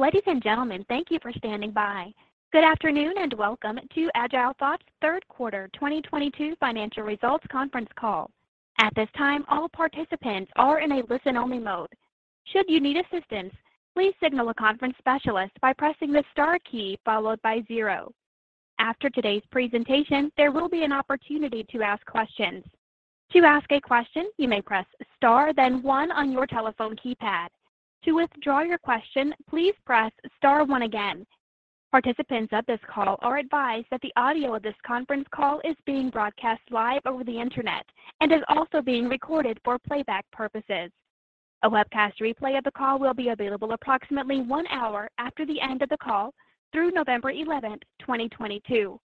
Ladies and gentlemen, thank you for standing by. Good afternoon, and welcome to AgileThought's third quarter 2022 financial results conference call. At this time, all participants are in a listen-only mode. Should you need assistance, please signal a conference specialist by pressing the star key followed by zero. After today's presentation, there will be an opportunity to ask questions. To ask a question, you may press star then one on your telephone keypad. To withdraw your question, please press star one again. Participants of this call are advised that the audio of this conference call is being broadcast live over the Internet and is also being recorded for playback purposes. A webcast replay of the call will be available approximately one hour after the end of the call through November 11, 2022.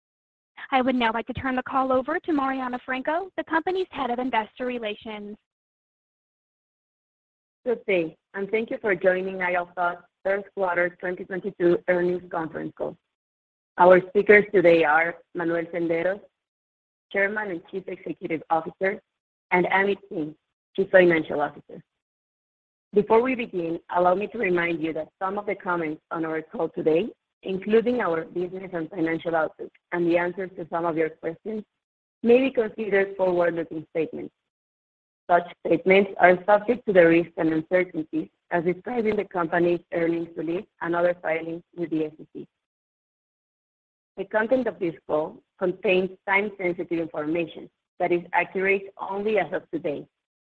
I would now like to turn the call over to Mariana Franco, the company's Head of Investor Relations. Good day, and thank you for joining AgileThought's third quarter 2022 earnings conference call. Our speakers today are Manuel Senderos, Chairman and Chief Executive Officer, and Amit Singh, Chief Financial Officer. Before we begin, allow me to remind you that some of the comments on our call today, including our business and financial outlook and the answers to some of your questions, may be considered forward-looking statements. Such statements are subject to the risks and uncertainties as described in the company's earnings release and other filings with the SEC. The content of this call contains time-sensitive information that is accurate only as of today,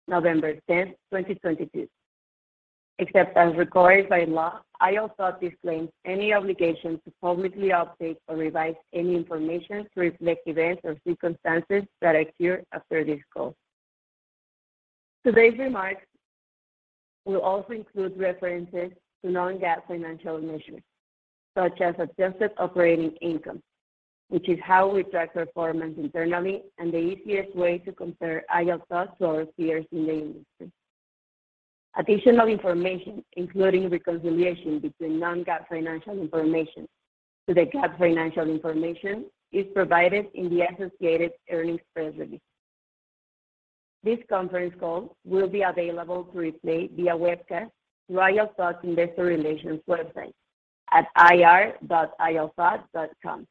November 10, 2022. Except as required by law, AgileThought disclaims any obligation to publicly update or revise any information to reflect events or circumstances that occur after this call. Today's remarks will also include references to non-GAAP financial measures, such as adjusted operating income, which is how we track performance internally and the easiest way to compare AgileThought to our peers in the industry. Additional information, including reconciliation between non-GAAP financial information to the GAAP financial information, is provided in the associated earnings press release. This conference call will be available to replay via webcast through AgileThought's investor relations website at ir.agilethought.com,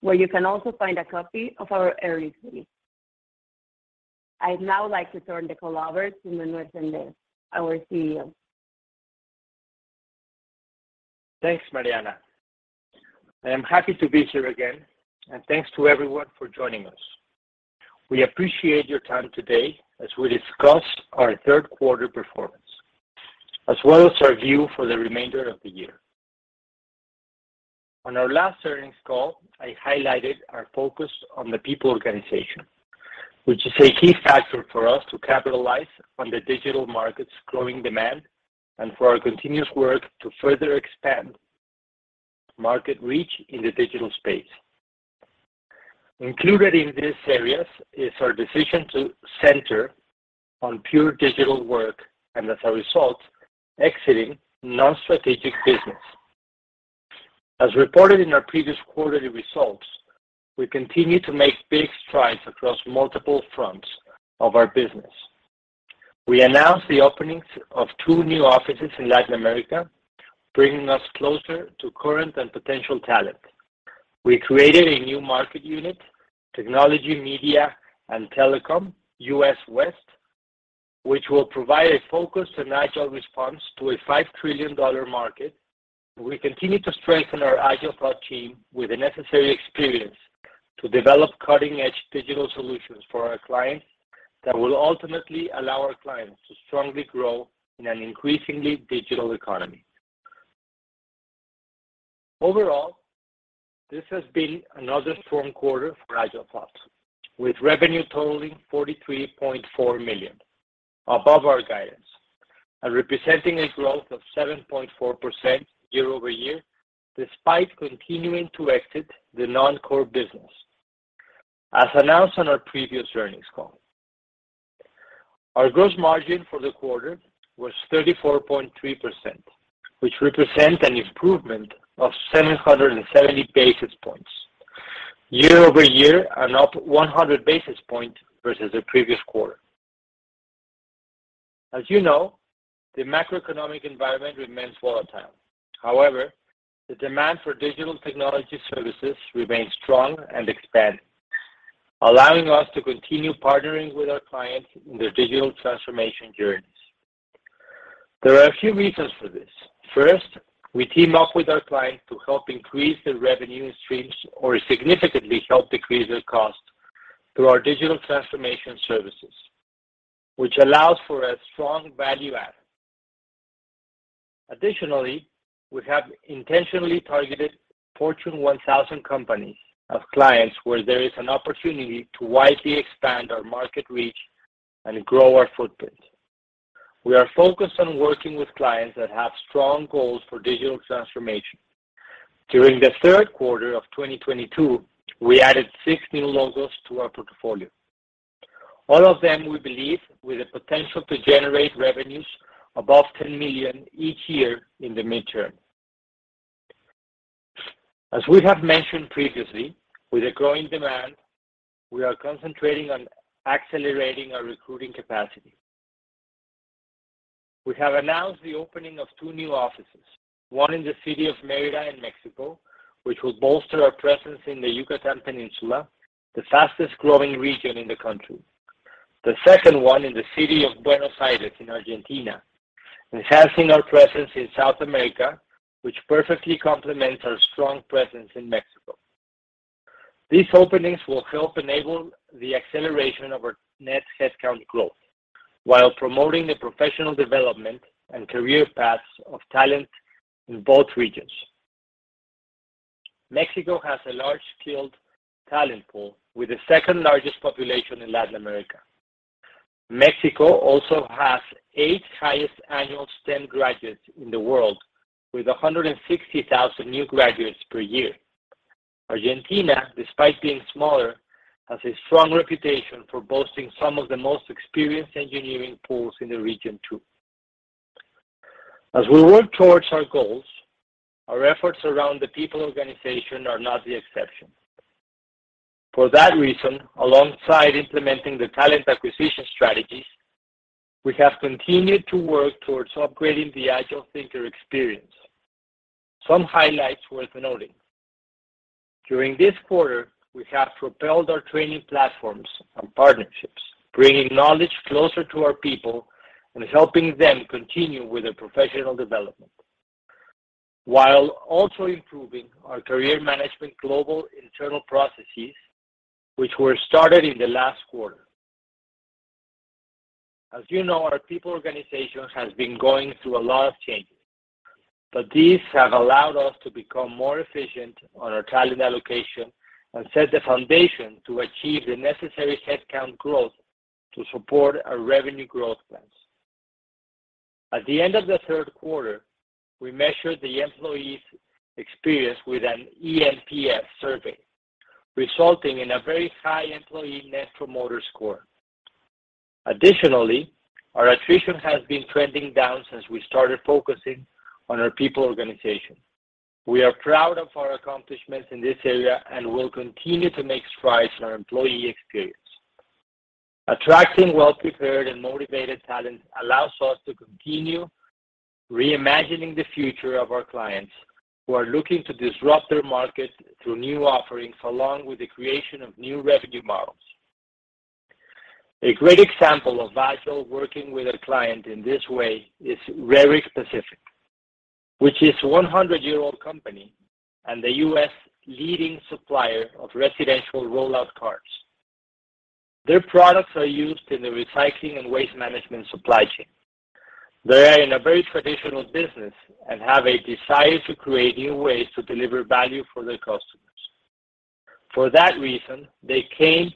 where you can also find a copy of our earnings release. I'd now like to turn the call over to Manuel Senderos, our CEO. Thanks, Mariana. I am happy to be here again, and thanks to everyone for joining us. We appreciate your time today as we discuss our third quarter performance, as well as our view for the remainder of the year. On our last earnings call, I highlighted our focus on the people organization, which is a key factor for us to capitalize on the digital market's growing demand and for our continuous work to further expand market reach in the digital space. Included in these areas is our decision to center on pure digital work, and as a result, exiting non-strategic business. As reported in our previous quarterly results, we continue to make big strides across multiple fronts of our business. We announced the openings of two new offices in Latin America, bringing us closer to current and potential talent. We created a new market unit, Technology, Media, and Telecom, US West, which will provide a focused and agile response to a $5 trillion market. We continue to strengthen our AgileThought team with the necessary experience to develop cutting-edge digital solutions for our clients that will ultimately allow our clients to strongly grow in an increasingly digital economy. Overall, this has been another strong quarter for AgileThought, with revenue totaling $43.4 million, above our guidance, and representing a growth of 7.4% year-over-year, despite continuing to exit the non-core business, as announced on our previous earnings call. Our gross margin for the quarter was 34.3%, which represent an improvement of 770 basis points year-over-year and up 100 basis points versus the previous quarter. As the macroeconomic environment remains volatile. However, the demand for digital technology services remains strong and expanding, allowing us to continue partnering with our clients in their digital transformation journeys. There are a few reasons for this. First, we team up with our clients to help increase their revenue streams or significantly help decrease their cost through our digital transformation services, which allows for a strong value add. Additionally, we have intentionally targeted Fortune 1000 companies as clients where there is an opportunity to widely expand our market reach and grow our footprint. We are focused on working with clients that have strong goals for digital transformation. During the third quarter of 2022, we added 6 new logos to our portfolio. All of them, we believe, with the potential to generate revenues above $10 million each year in the midterm. As we have mentioned previously, with a growing demand, we are concentrating on accelerating our recruiting capacity. We have announced the opening of 2 new offices, one in the city of Mérida in Mexico, which will bolster our presence in the Yucatán Peninsula, the fastest-growing region in the country. The second one in the city of Buenos Aires in Argentina, enhancing our presence in South America, which perfectly complements our strong presence in Mexico. These openings will help enable the acceleration of our net headcount growth while promoting the professional development and career paths of talent in both regions. Mexico has a large skilled talent pool with the second-largest population in Latin America. Mexico also has eighth-highest annual STEM graduates in the world with 160,000 new graduates per year. Argentina, despite being smaller, has a strong reputation for boasting some of the most experienced engineering pools in the region, too. As we work towards our goals, our efforts around the people organization are not the exception. For that reason, alongside implementing the talent acquisition strategies, we have continued to work towards upgrading the AgileThought experience. Some highlights worth noting. During this quarter, we have propelled our training platforms and partnerships, bringing knowledge closer to our people and helping them continue with their professional development, while also improving our career management global internal processes, which were started in the last quarter. As our people organization has been going through a lot of changes, but these have allowed us to become more efficient on our talent allocation and set the foundation to achieve the necessary headcount growth to support our revenue growth plans. At the end of the third quarter, we measured the employees' experience with an eNPS survey, resulting in a very high employee Net Promoter Score. Additionally, our attrition has been trending down since we started focusing on our people organization. We are proud of our accomplishments in this area and will continue to make strides in our employee experience. Attracting well-prepared and motivated talent allows us to continue reimagining the future of our clients who are looking to disrupt their market through new offerings, along with the creation of new revenue models. A great example of Agile working with a client in this way is Rehrig Pacific, which is a 100-year-old company and the U.S. leading supplier of residential rollout carts. Their products are used in the recycling and waste management supply chain. They are in a very traditional business and have a desire to create new ways to deliver value for their customers. For that reason, they came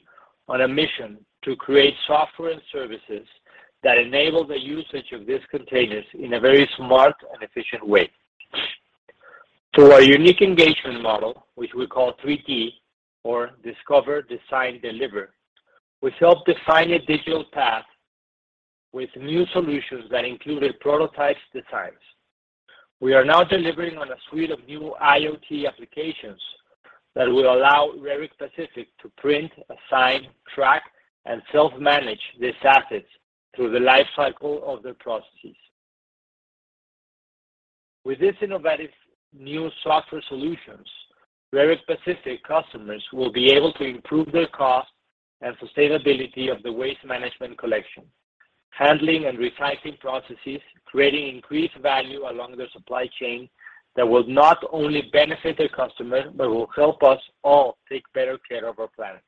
on a mission to create software and services that enable the usage of these containers in a very smart and efficient way. Through our unique engagement model, which we call 3D or discover, design, deliver, we helped define a digital path with new solutions that included prototype designs. We are now delivering on a suite of new IoT applications that will allow Rehrig Pacific to print, assign, track, and self-manage these assets through the life cycle of their processes. With this innovative new software solutions, Rehrig Pacific customers will be able to improve their cost and sustainability of the waste management collection, handling and recycling processes, creating increased value along their supply chain that will not only benefit their customer, but will help us all take better care of our planet.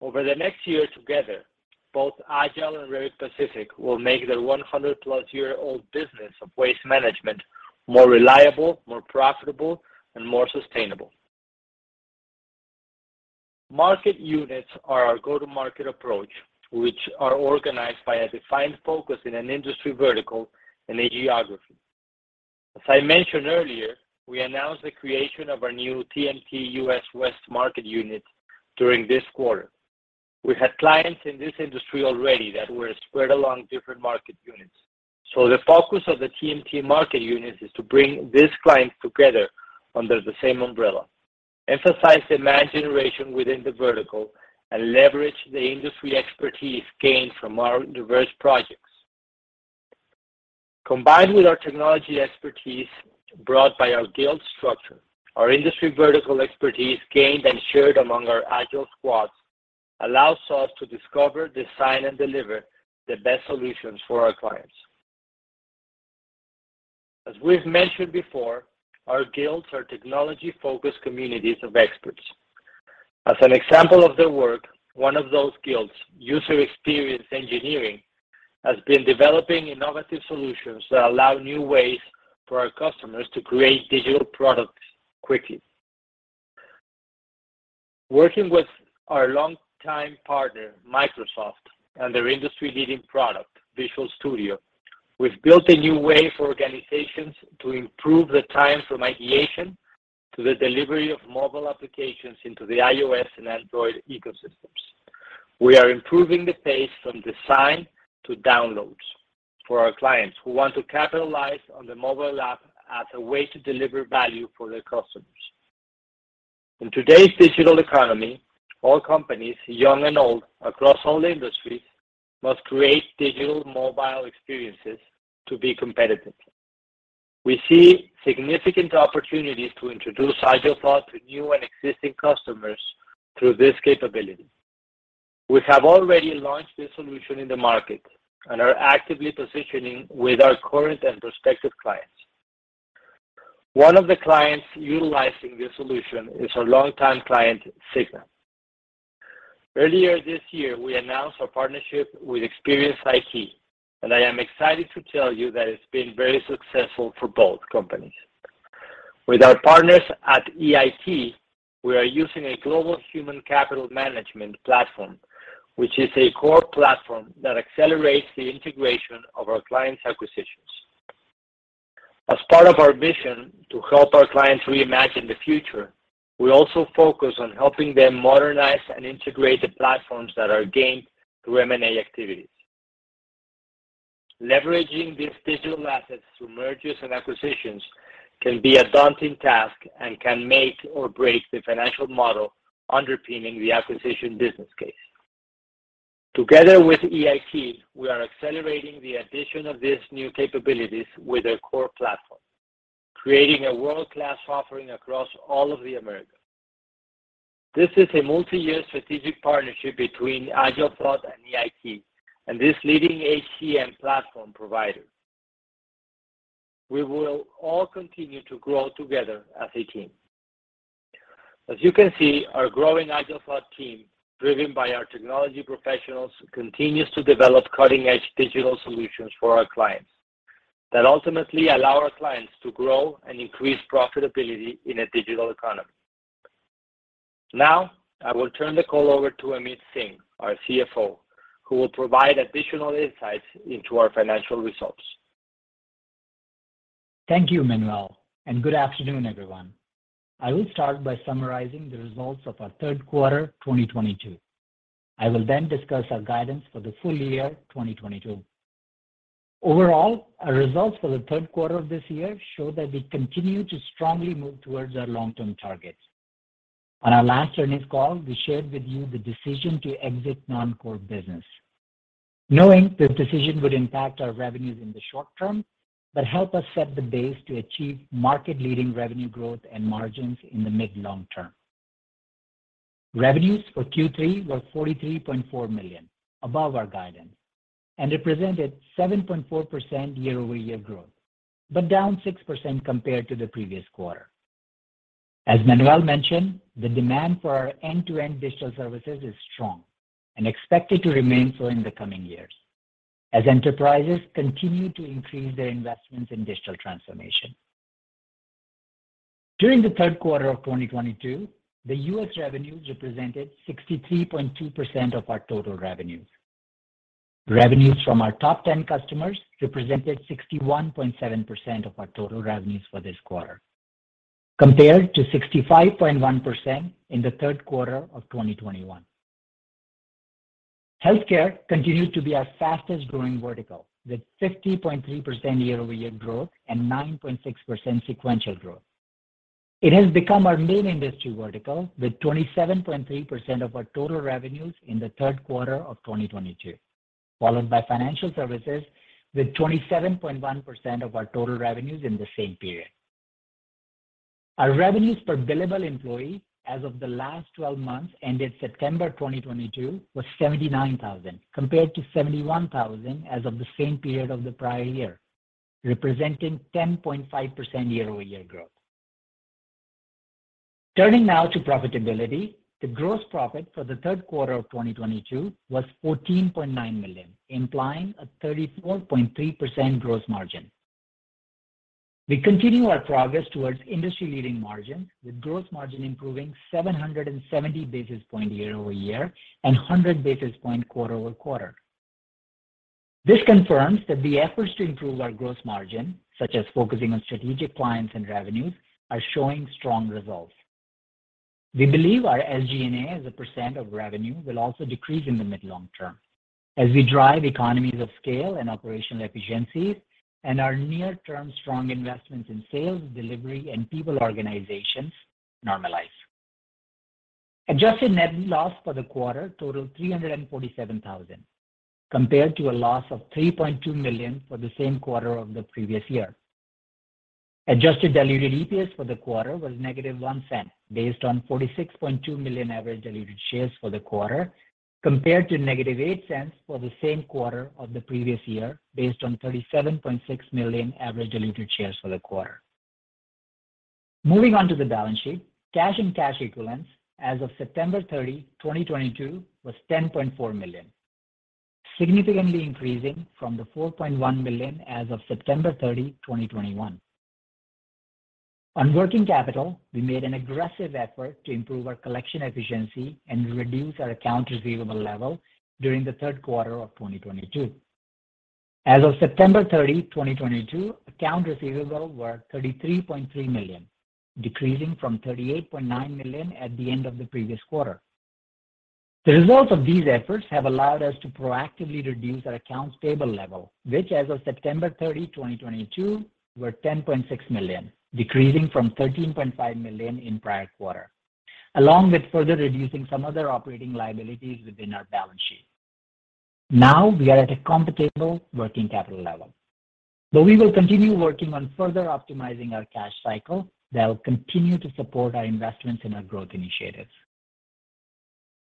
Over the next year together, both AgileThought and Rehrig Pacific will make their 100-plus-year-old business of waste management more reliable, more profitable, and more sustainable. Market units are our go-to-market approach, which are organized by a defined focus in an industry vertical and a geography. As I mentioned earlier, we announced the creation of our new TMT U.S. West market unit during this quarter. We had clients in this industry already that were spread along different market units. The focus of the TMT market unit is to bring these clients together under the same umbrella, emphasize demand generation within the vertical, and leverage the industry expertise gained from our diverse projects. Combined with our technology expertise brought by our guild structure, our industry vertical expertise gained and shared among our Agile squads allows us to discover, design, and deliver the best solutions for our clients. As we've mentioned before, our guilds are technology-focused communities of experts. As an example of their work, one of those guilds, User Experience Engineering, has been developing innovative solutions that allow new ways for our customers to create digital products quickly. Working with our longtime partner, Microsoft, and their industry-leading product, Visual Studio, we've built a new way for organizations to improve the time from ideation to the delivery of mobile applications into the iOS and Android ecosystems. We are improving the pace from design to downloads for our clients who want to capitalize on the mobile app as a way to deliver value for their customers. In today's digital economy, all companies, young and old, across all industries, must create digital mobile experiences to be competitive. We see significant opportunities to introduce AgileThought to new and existing customers through this capability. We have already launched this solution in the market and are actively positioning with our current and prospective clients. One of the clients utilizing this solution is our longtime client, Cigna. Earlier this year, we announced our partnership with Experience IT, and I am excited to tell you that it's been very successful for both companies. With our partners at EIT, we are using a global human capital management platform, which is a core platform that accelerates the integration of our clients' acquisitions. As part of our vision to help our clients reimagine the future, we also focus on helping them modernize and integrate the platforms that are gained through M&A activities. Leveraging these digital assets through mergers and acquisitions can be a daunting task and can make or break the financial model underpinning the acquisition business case. Together with EIT, we are accelerating the addition of these new capabilities with their core platform, creating a world-class offering across all of the Americas. This is a multi-year strategic partnership between AgileThought and EIT and this leading HCM platform provider. We will all continue to grow together as a team. As you can see, our growing AgileThought team, driven by our technology professionals, continues to develop cutting-edge digital solutions for our clients that ultimately allow our clients to grow and increase profitability in a digital economy. Now, I will turn the call over to Amit Singh, our CFO, who will provide additional insights into our financial results. Thank you, Manuel, and good afternoon, everyone. I will start by summarizing the results of our third quarter 2022. I will then discuss our guidance for the full year 2022. Overall, our results for the third quarter of this year show that we continue to strongly move towards our long-term targets. On our last earnings call, we shared with you the decision to exit non-core business, knowing this decision would impact our revenues in the short term, but help us set the base to achieve market-leading revenue growth and margins in the mid-long term. Revenues for Q3 were $43.4 million, above our guidance, and represented 7.4% year-over-year growth, but down 6% compared to the previous quarter. As Manuel mentioned, the demand for our end-to-end digital services is strong and expected to remain so in the coming years as enterprises continue to increase their investments in digital transformation. During the third quarter of 2022, the U.S. revenues represented 63.2% of our total revenues. Revenues from our top ten customers represented 61.7% of our total revenues for this quarter, compared to 65.1% in the third quarter of 2021. Healthcare continued to be our fastest-growing vertical, with 50.3% year-over-year growth and 9.6% sequential growth. It has become our main industry vertical, with 27.3% of our total revenues in the third quarter of 2022, followed by financial services with 27.1% of our total revenues in the same period. Our revenues per billable employee as of the last twelve months ended September 2022 was $79 thousand, compared to $71 thousand as of the same period of the prior year, representing 10.5% year-over-year growth. Turning now to profitability, the gross profit for the third quarter of 2022 was $14.9 million, implying a 34.3% gross margin. We continue our progress towards industry-leading margin, with gross margin improving 770 basis points year-over-year and 100 basis points quarter-over-quarter. This confirms that the efforts to improve our gross margin, such as focusing on strategic clients and revenues, are showing strong results. We believe our SG&A as a percent of revenue will also decrease in the mid-long term as we drive economies of scale and operational efficiencies and our near-term strong investments in sales, delivery, and people organizations normalize. Adjusted net loss for the quarter totaled $347,000, compared to a loss of $3.2 million for the same quarter of the previous year. Adjusted Diluted EPS for the quarter was negative $0.01 based on 46.2 million average diluted shares for the quarter, compared to negative $0.08 for the same quarter of the previous year based on 37.6 million average diluted shares for the quarter. Moving on to the balance sheet, cash and cash equivalents as of September 30, 2022 was $10.4 million, significantly increasing from the $4.1 million as of September 30, 2021. On working capital, we made an aggressive effort to improve our collection efficiency and reduce our accounts receivable level during the third quarter of 2022. As of September 30, 2022, accounts receivable were $33.3 million, decreasing from $38.9 million at the end of the previous quarter. The results of these efforts have allowed us to proactively reduce our accounts payable level, which as of September 30, 2022, were $10.6 million, decreasing from $13.5 million in prior quarter, along with further reducing some other operating liabilities within our balance sheet. Now we are at a comfortable working capital level. We will continue working on further optimizing our cash cycle that will continue to support our investments in our growth initiatives.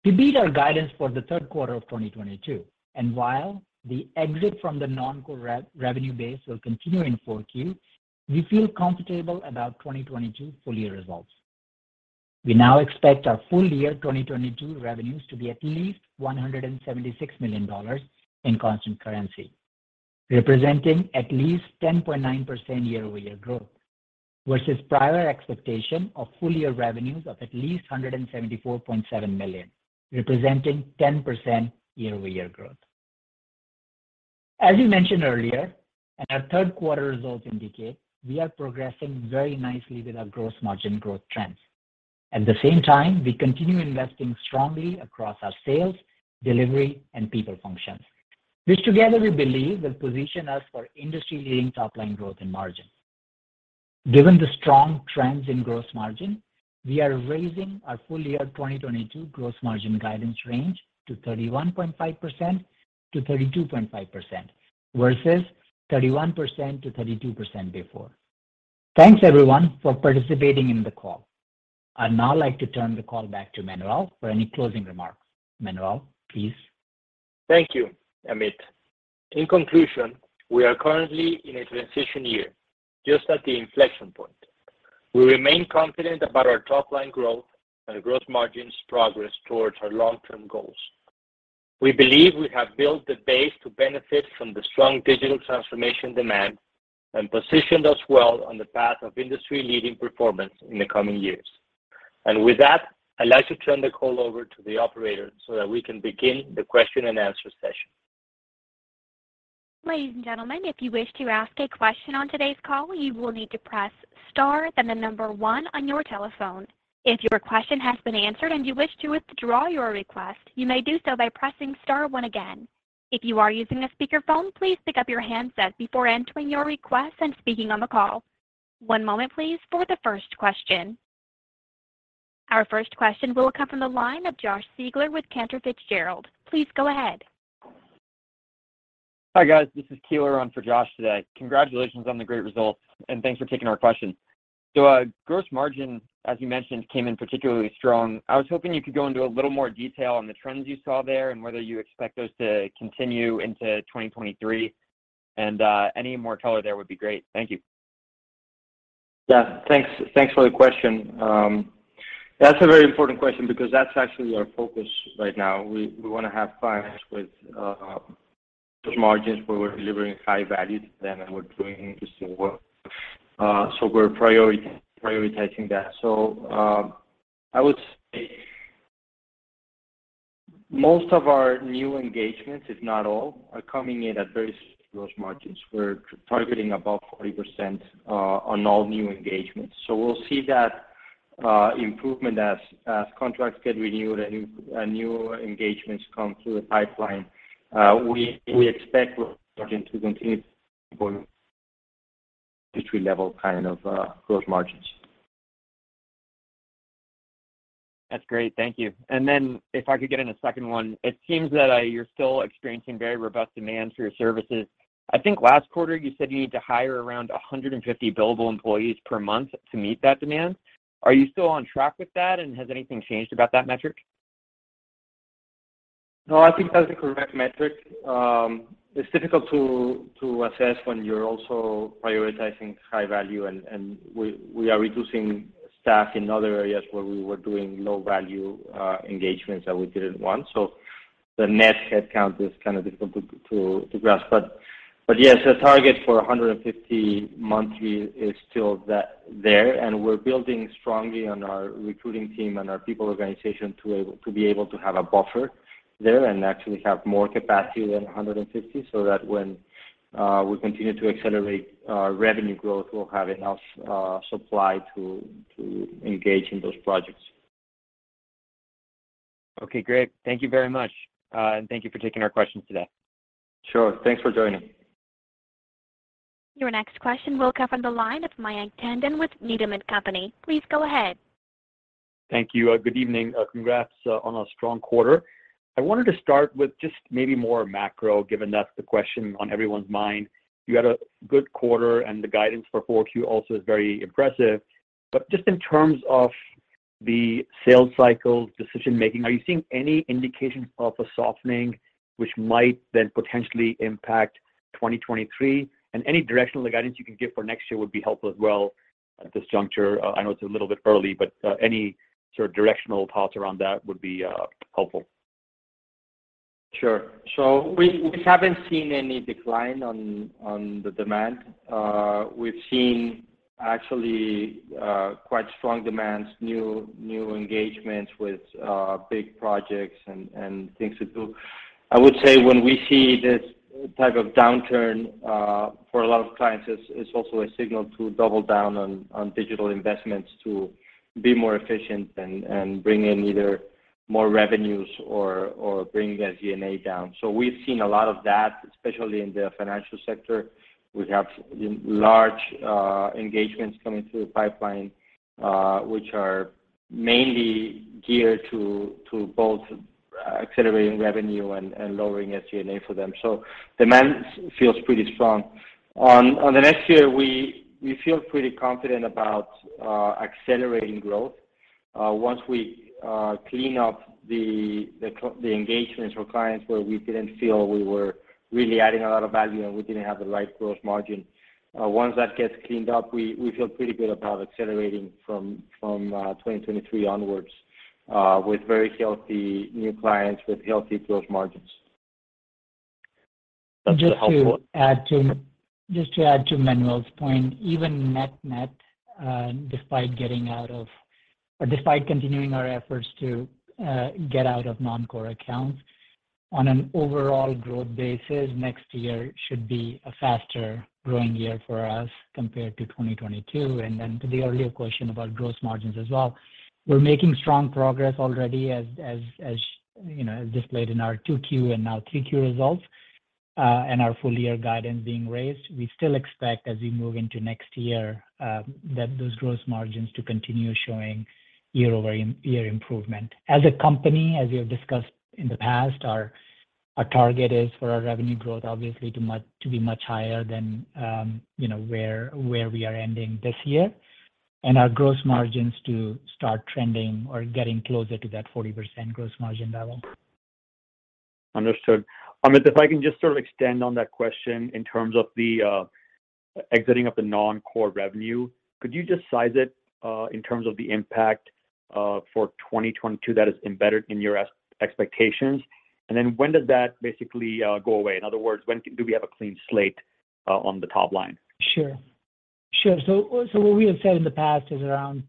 We beat our guidance for the third quarter of 2022, and while the exit from the non-core revenue base will continue in Q4, we feel comfortable about 2022 full year results. We now expect our full year 2022 revenues to be at least $176 million in constant currency, representing at least 10.9% year-over-year growth versus prior expectation of full year revenues of at least $174.7 million, representing 10% year-over-year growth. As we mentioned earlier, and our third quarter results indicate, we are progressing very nicely with our gross margin growth trends. At the same time, we continue investing strongly across our sales, delivery, and people functions, which together we believe will position us for industry-leading top line growth and margin. Given the strong trends in gross margin, we are raising our full year 2022 gross margin guidance range to 31.5%-32.5% versus 31%-32% before. Thanks everyone for participating in the call. I'd now like to turn the call back to Manuel for any closing remarks. Manuel, please. Thank you, Amit. In conclusion, we are currently in a transition year, just at the inflection point. We remain confident about our top line growth and growth margins progress towards our long-term goals. We believe we have built the base to benefit from the strong digital transformation demand and positioned us well on the path of industry-leading performance in the coming years. With that, I'd like to turn the call over to the operator so that we can begin the question and answer session. Ladies and gentlemen, if you wish to ask a question on today's call, you will need to press star then the number one on your telephone. If your question has been answered and you wish to withdraw your request, you may do so by pressing star one again. If you are using a speakerphone, please pick up your handset before entering your request and speaking on the call. One moment please for the first question. Our first question will come from the line of Josh Siegler with Cantor Fitzgerald. Please go ahead. Hi guys, this is Keeler on for Josh today. Congratulations on the great results, and thanks for taking our question. Gross margin, as you mentioned, came in particularly strong. I was hoping you could go into a little more detail on the trends you saw there and whether you expect those to continue into 2023. Any more color there would be great. Thank you. Yeah, thanks. Thanks for the question. That's a very important question because that's actually our focus right now. We wanna have clients with gross margins where we're delivering high value to them, and we're doing interesting work. We're prioritizing that. I would say most of our new engagements, if not all, are coming in at very gross margins. We're targeting above 40%, on all new engagements. We'll see that improvement as contracts get renewed and new engagements come through the pipeline. We expect gross margin to continue to volume industry level kind of gross margins. That's great. Thank you. If I could get in a second one. It seems that, you're still experiencing very robust demand for your services. I think last quarter you said you need to hire around 150 billable employees per month to meet that demand. Are you still on track with that? Has anything changed about that metric? No, I think that's the correct metric. It's difficult to assess when you're also prioritizing high value and we are reducing staff in other areas where we were doing low value engagements that we didn't want. The net headcount is kind of difficult to grasp. Yes, the target for 150 monthly is still that there, and we're building strongly on our recruiting team and our people organization to be able to have a buffer there and actually have more capacity than 150, so that when we continue to accelerate our revenue growth, we'll have enough supply to engage in those projects. Okay, great. Thank you very much. Thank you for taking our questions today. Sure. Thanks for joining. Your next question will come from the line of Mayank Tandon with Needham & Company. Please go ahead. Thank you. Good evening. Congrats on a strong quarter. I wanted to start with just maybe more macro, given that's the question on everyone's mind. You had a good quarter, and the guidance for Q4 also is very impressive. Just in terms of the sales cycle decision-making, are you seeing any indication of a softening which might then potentially impact 2023? Any directional guidance you can give for next year would be helpful as well at this juncture. I know it's a little bit early, but any sort of directional thoughts around that would be helpful. Sure. We haven't seen any decline in the demand. We've seen. Actually, quite strong demand, new engagements with big projects and things to do. I would say when we see this type of downturn for a lot of clients, it's also a signal to double down on digital investments to be more efficient and bring in either more revenues or bring their G&A down. We've seen a lot of that, especially in the financial sector. We have large engagements coming through the pipeline, which are mainly geared to both accelerating revenue and lowering SG&A for them. Demand feels pretty strong. On the next year, we feel pretty confident about accelerating growth. Once we clean up the engagements for clients where we didn't feel we were really adding a lot of value, and we didn't have the right gross margin. Once that gets cleaned up, we feel pretty good about accelerating from 2023 onwards, with very healthy new clients with healthy gross margins. That's helpful. Just to add to Manuel's point, even net-net, despite continuing our efforts to get out of non-core accounts, on an overall growth basis, next year should be a faster growing year for us compared to 2022. To the earlier question about gross margins as well, we're making strong progress already as displayed in our 2Q and now 3Q results, and our full year guidance being raised. We still expect as we move into next year, that those gross margins to continue showing year-over-year improvement. As a company, as we have discussed in the past, our target is for our revenue growth, obviously to be much higher than where we are ending this year. Our gross margins to start trending or getting closer to that 40% gross margin level. Understood. Amit, if I can just sort of extend on that question in terms of the exiting of the non-core revenue. Could you just size it in terms of the impact for 2022 that is embedded in your expectations? Then when does that basically go away? In other words, when do we have a clean slate on the top line? Sure. What we have said in the past is around,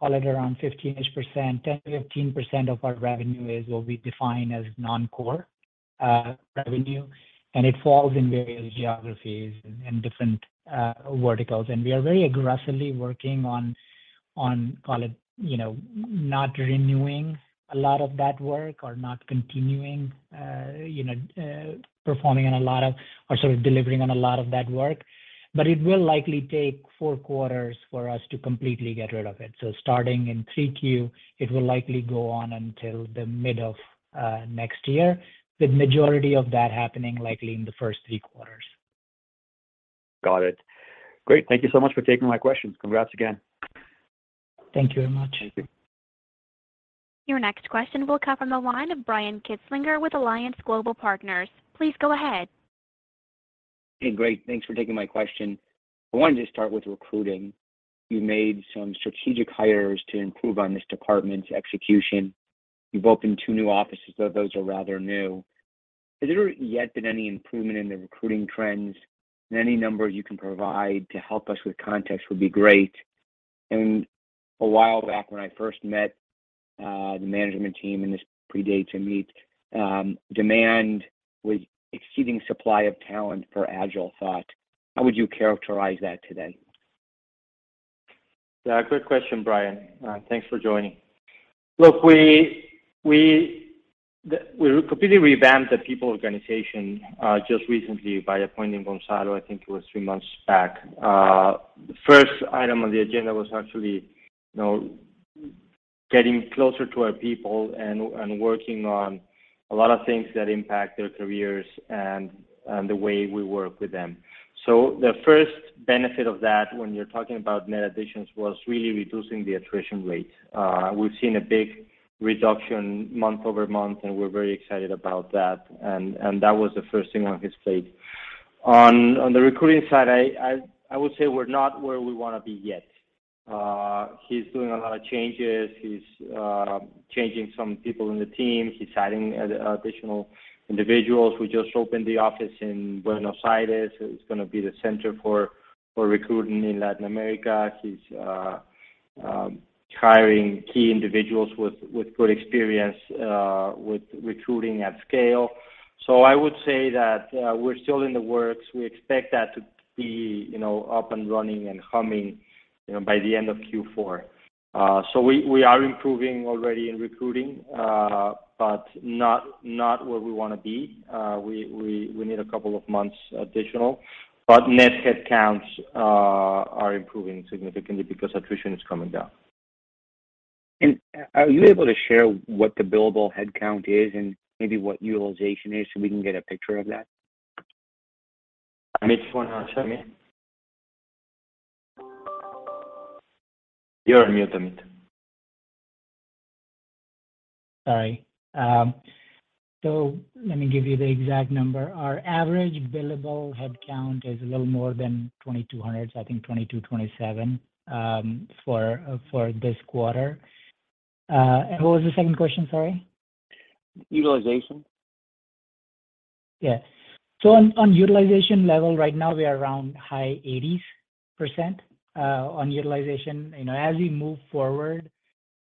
call it around 15-ish%, 10%-15% of our revenue is what we define as non-core revenue, and it falls in various geographies and different verticals. We are very aggressively working on call it not renewing a lot of that work or not continuing performing on a lot of or sort of delivering on a lot of that work. It will likely take 4 quarters for us to completely get rid of it. Starting in 3Q, it will likely go on until the middle of next year, with majority of that happening likely in the first 3 quarters. Got it. Great. Thank you so much for taking my questions. Congrats again. Thank you very much. Thank you. Your next question will come from the line of Brian Kinstlinger with Alliance Global Partners. Please go ahead. Hey, great. Thanks for taking my question. I wanted to start with recruiting. You made some strategic hires to improve on this department's execution. You've opened two new offices, though those are rather new. Has there yet been any improvement in the recruiting trends? Any numbers you can provide to help us with context would be great. A while back when I first met the management team, and this predates Amit, demand was exceeding supply of talent for AgileThought. How would you characterize that today? Yeah, great question, Brian. Thanks for joining. Look, we completely revamped the people organization just recently by appointing Gonzalo. I think it was three months back. The first item on the agenda was actually getting closer to our people and working on a lot of things that impact their careers and the way we work with them. The first benefit of that, when you're talking about net additions, was really reducing the attrition rate. We've seen a big reduction month-over-month, and we're very excited about that. That was the first thing on his plate. On the recruiting side, I would say we're not where we wanna be yet. He's doing a lot of changes. He's changing some people in the team. He's adding additional individuals. We just opened the office in Buenos Aires. It's gonna be the center for recruiting in Latin America. He's hiring key individuals with good experience with recruiting at scale. I would say that we're still in the works. We expect that to be up and running and humming by the end of Q4. We are improving already in recruiting, but not where we wanna be. We need a couple of months additional. Net headcounts are improving significantly because attrition is coming down. Are you able to share what the billable headcount is and maybe what utilization is, so we can get a picture of that? Amit, you wanna answer? You're on mute, Amit. Sorry. Let me give you the exact number. Our average billable headcount is a little more than 2,200, so I think 2,227 for this quarter. What was the second question? Sorry. Utilization. Yeah. On utilization level right now, we are around high 80s% on utilization. As we move forward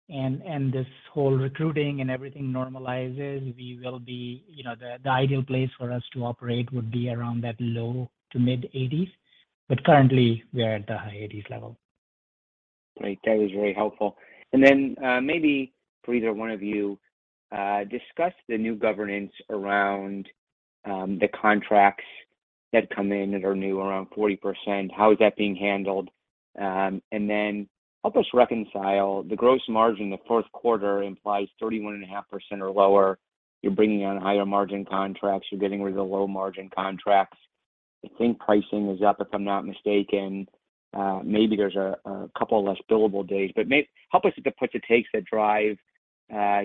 and this whole recruiting and everything normalizes, we will be. The ideal place for us to operate would be around that low-to-mid 80s. Currently, we're at the high 80s level. Great. That was very helpful. Maybe for either one of you, discuss the new governance around the contracts that come in that are new, around 40%. How is that being handled? Help us reconcile the gross margin. The fourth quarter implies 31.5% or lower. You're bringing on higher margin contracts. You're getting rid of the low margin contracts. I think pricing is up, if I'm not mistaken. Maybe there's a couple less billable days. Help us with the puts and takes that drive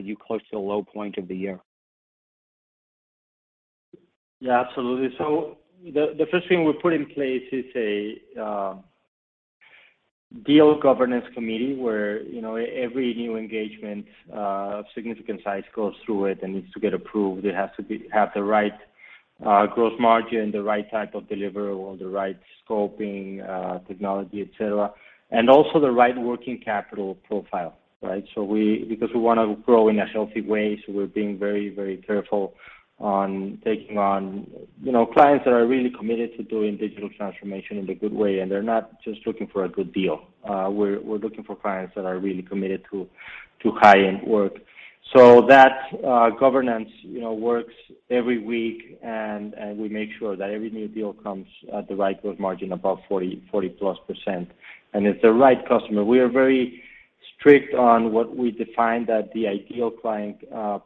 you close to the low point of the year. Yeah, absolutely. The first thing we put in place is a deal governance committee where every new engagement of significant size goes through it and needs to get approved. It has to have the right gross margin, the right type of deliverable, the right scoping, technology, et cetera, and also the right working capital profile, right? Because we wanna grow in a healthy way, we're being very, very careful on taking on clients that are really committed to doing digital transformation in a good way, and they're not just looking for a good deal. We're looking for clients that are really committed to high-end work. That governance works every week, and we make sure that every new deal comes at the right gross margin, above 40-plus%. It's the right customer. We are very strict on what we define as the ideal client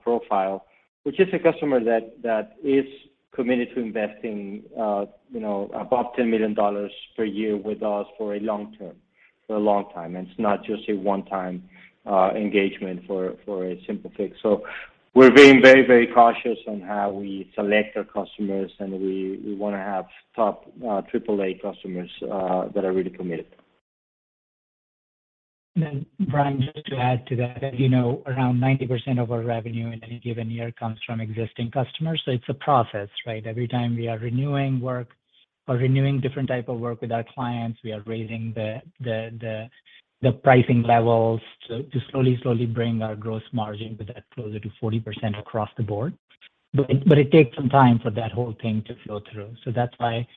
profile, which is a customer that is committed to investing above $10 million per year with us for a long term, for a long time. It's not just a one-time engagement for a simple fix. We're being very, very cautious on how we select our customers, and we wanna have top triple A customers that are really committed. Brian, just to add to that around 90% of our revenue in any given year comes from existing customers, so it's a process, right? Every time we are renewing work or renewing different type of work with our clients, we are raising the pricing levels to slowly bring our gross margin with that closer to 40% across the board. But it takes some time for that whole thing to flow through. That's why,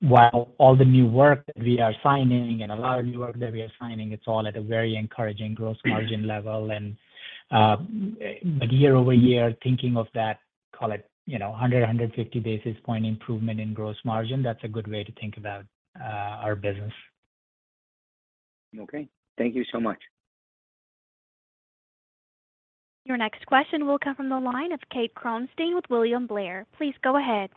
while all the new work that we are signing and a lot of new work that we are signing, it's all at a very encouraging gross margin level. Year-over-year, thinking of that, call it 150 basis point improvement in gross margin, that's a good way to think about our business. Okay, thank you so much. Your next question will come from the line of Kathleen Kronstein with William Blair. Please go ahead.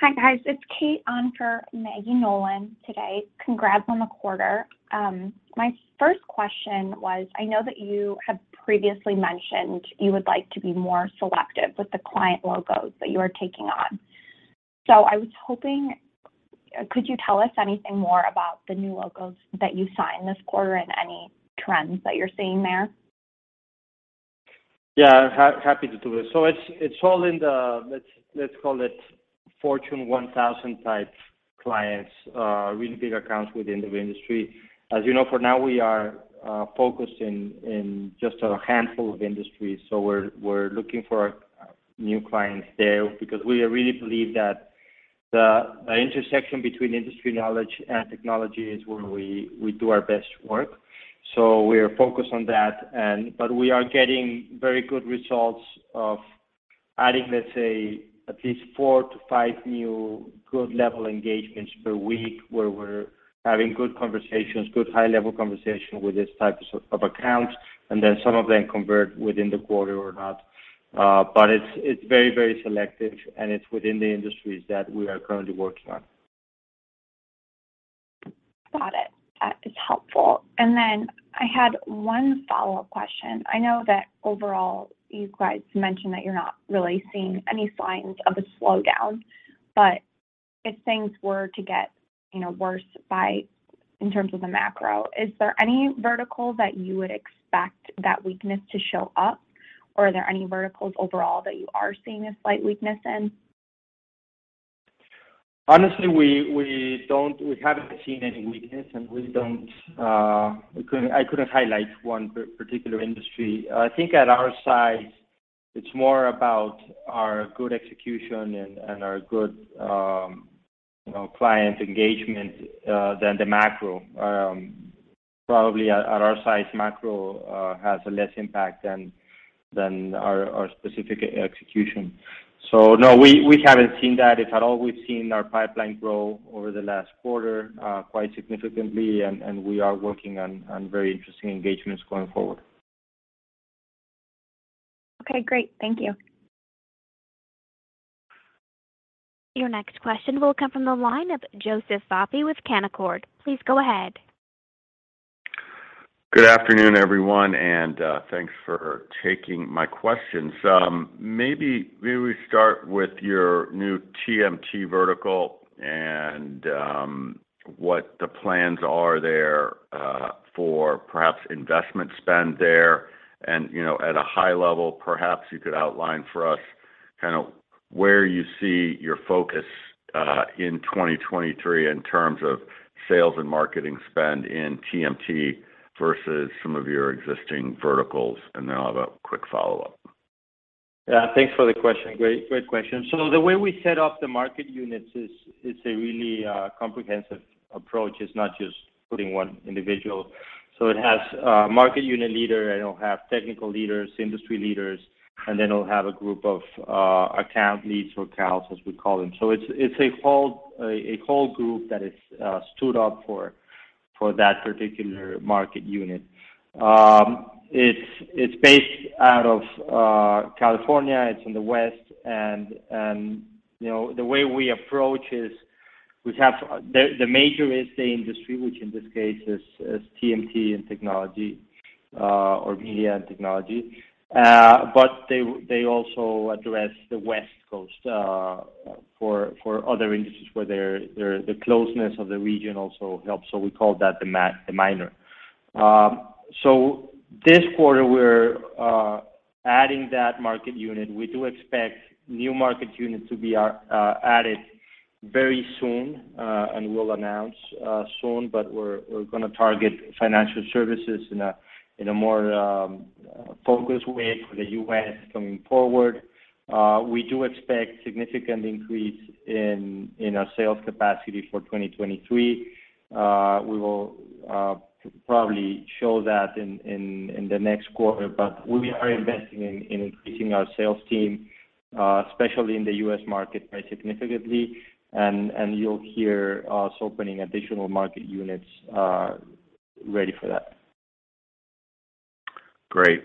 Hi, guys. It's Kate on for Maggie Nolan today. Congrats on the quarter. My first question was, I know that you have previously mentioned you would like to be more selective with the client logos that you are taking on. I was hoping, could you tell us anything more about the new logos that you signed this quarter and any trends that you're seeing there? Happy to do it. It's all in the, let's call it Fortune 1000 type clients, really big accounts within the industry. For now we are focused in just a handful of industries, so we're looking for new clients there because we really believe that the intersection between industry knowledge and technology is where we do our best work. We're focused on that and we are getting very good results of adding, let's say, at least 4-5 new good level engagements per week, where we're having good conversations, good high-level conversation with these types of accounts, and then some of them convert within the quarter or not. It's very selective, and it's within the industries that we are currently working on. Got it. That is helpful. Then I had one follow-up question. I know that overall you guys mentioned that you're not really seeing any signs of a slowdown. If things were to get worse in terms of the macro, is there any vertical that you would expect that weakness to show up? Or are there any verticals overall that you are seeing a slight weakness in? Honestly, we haven't seen any weakness, and we don't. I couldn't highlight one particular industry. I think at our size it's more about our good execution and our good client engagement than the macro. Probably at our size, macro has less impact than our specific execution. No, we haven't seen that at all. We've seen our pipeline grow over the last quarter quite significantly, and we are working on very interesting engagements going forward. Okay, great. Thank you. Your next question will come from the line of Joseph Thoppil with Canaccord Genuity. Please go ahead. Good afternoon, everyone, thanks for taking my questions. May we start with your new TMT vertical and what the plans are there for perhaps investment spend there. At a high level, perhaps you could outline for us kinda where you see your focus in 2023 in terms of sales and marketing spend in TMT versus some of your existing verticals. I'll have a quick follow-up. Yeah, thanks for the question. Great question. The way we set up the market units is it's a really comprehensive approach. It's not just putting one individual. It has a market unit leader, it'll have technical leaders, industry leaders, and then it'll have a group of account leads or accounts, as we call them. It's a whole group that is stood up for that particular market unit. It's based out of California, it's in the West. The way we approach is we have. The major is the industry, which in this case is TMT and technology or media and technology. They also address the West Coast for other industries where the closeness of the region also helps. We call that the minor. This quarter, we're adding that market unit. We do expect new market unit to be added very soon, and we'll announce soon. We're gonna target financial services in a more focused way for the U.S. coming forward. We do expect significant increase in our sales capacity for 2023. We will probably show that in the next quarter. We are investing in increasing our sales team, especially in the U.S. market by significantly. You'll hear us opening additional market units ready for that. Great.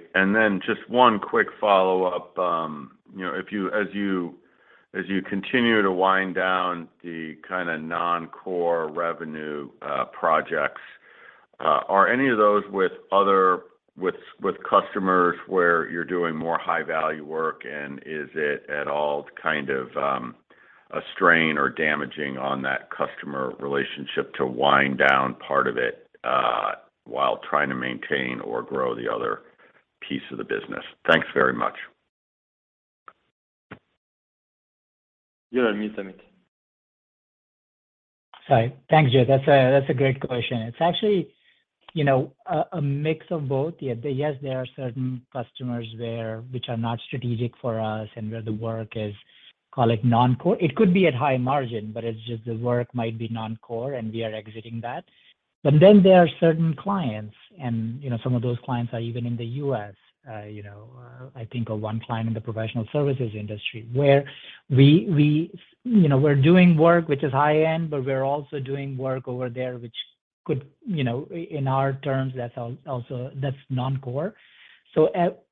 Just one quick follow-up. If, as you continue to wind down the kinda non-core revenue projects, are any of those with customers where you're doing more high-value work? Is it at all kind of a strain or damaging on that customer relationship to wind down part of it while trying to maintain or grow the other piece of the business? Thanks very much. Yeah, Amit. Sorry. Thanks, Jay. That's a great question. It's actually a mix of both. Yes, there are certain customers there which are not strategic for us and where the work is, call it non-core. It could be at high margin, but it's just the work might be non-core, and we are exiting that. There are certain clients, and some of those clients are even in the U.S.,. I think of one client in the professional services industry where we we're doing work which is high-end, but we're also doing work over there which could in our terms, that's also non-core.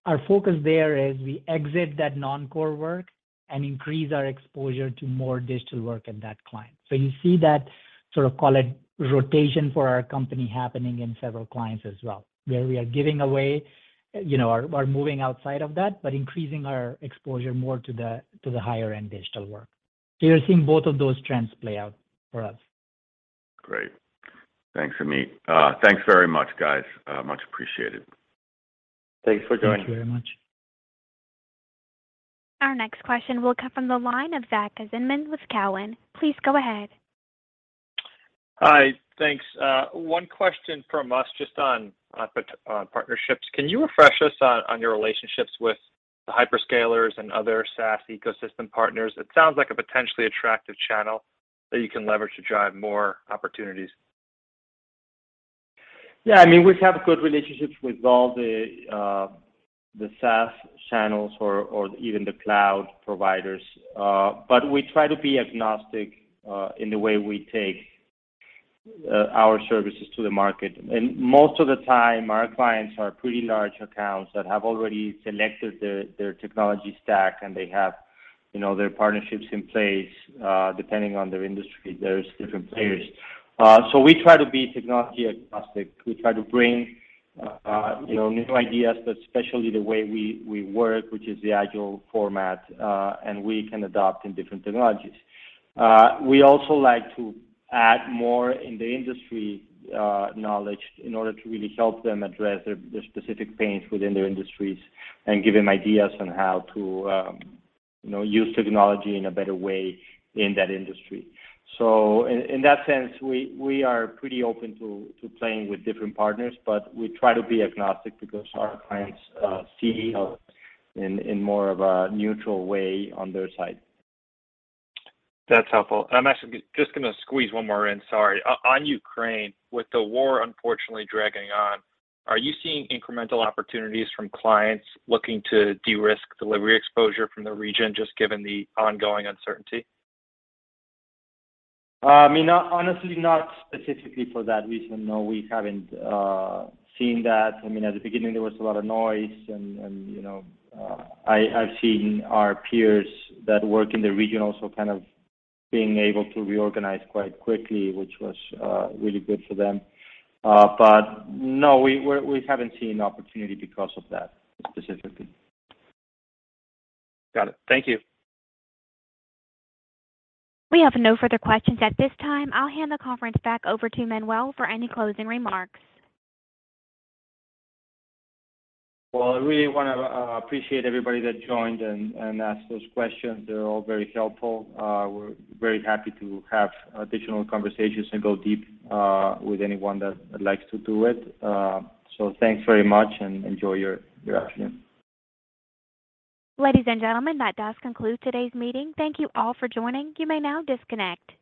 Our focus there is we exit that non-core work and increase our exposure to more digital work in that client. You see that sort of, call it, rotation for our company happening in several clients as well, where we are giving away or moving outside of that, but increasing our exposure more to the higher-end digital work. You're seeing both of those trends play out for us. Great. Thanks, Amit. Thanks very much, guys. Much appreciated. Thanks for joining. Thank you very much. Our next question will come from the line of Zachary Fisher with Cowen. Please go ahead. Hi. Thanks. One question from us just on partnerships. Can you refresh us on your relationships with the hyperscalers and other SaaS ecosystem partners? It sounds like a potentially attractive channel that you can leverage to drive more opportunities. Yeah, I mean, we have good relationships with all the SaaS channels or even the cloud providers. But we try to be agnostic in the way we take our services to the market. Most of the time, our clients are pretty large accounts that have already selected their technology stack, and they have their partnerships in place. Depending on their industry, there's different players. We try to be technology agnostic. We try to bring new ideas, but especially the way we work, which is the agile format, and we can adopt in different technologies. We also like to add more in the industry knowledge in order to really help them address their specific pains within their industries and give them ideas on how to use technology in a better way in that industry. In that sense, we are pretty open to playing with different partners, but we try to be agnostic because our clients see us in more of a neutral way on their side. That's helpful. I'm actually just gonna squeeze one more in. Sorry. On Ukraine, with the war unfortunately dragging on, are you seeing incremental opportunities from clients looking to de-risk delivery exposure from the region, just given the ongoing uncertainty? I mean, honestly, not specifically for that reason. No, we haven't seen that. I mean, at the beginning, there was a lot of noise and I've seen our peers that work in the region also kind of being able to reorganize quite quickly, which was really good for them. No, we haven't seen opportunity because of that specifically. Got it. Thank you. We have no further questions at this time. I'll hand the conference back over to Manuel for any closing remarks. Well, I really wanna appreciate everybody that joined and asked those questions. They're all very helpful. We're very happy to have additional conversations and go deep with anyone that likes to do it. Thanks very much and enjoy your afternoon. Ladies and gentlemen, that does conclude today's meeting. Thank you all for joining. You may now disconnect.